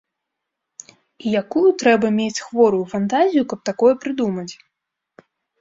І якую трэба мець хворую фантазію, каб такое прыдумаць!